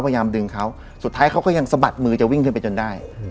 พยายามดึงเขาสุดท้ายเขาก็ยังสะบัดมือจะวิ่งขึ้นไปจนได้